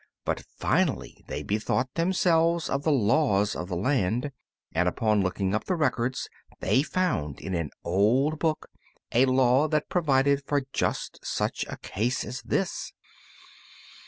But finally they bethought themselves of the laws of the land, and upon looking up the records they found in an old book a law that provided for just such a case as this.